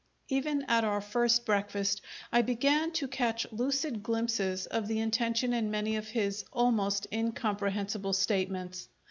Even at our first breakfast I began to catch lucid glimpses of the intention in many of his almost incomprehensible statements.